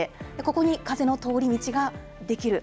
ここに風の通り道ができる。